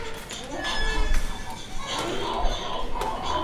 La coalición adoptó el nombre de Unidos Podemos.